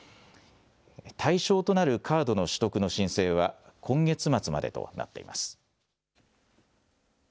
対象となるカードの取得の申請は、今月末までとなっています。